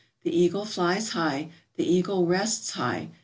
The eagle flies high. The eagle rests high.